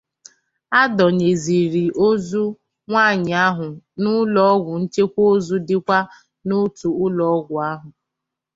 a dọnyezịrị ozu nwaanyị ahụ n'ụlọ nchekwa ozu dịkwa n'otu ụlọọgwụ ahụ.